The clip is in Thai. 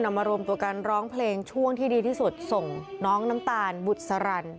มารวมตัวกันร้องเพลงช่วงที่ดีที่สุดส่งน้องน้ำตาลบุษรัน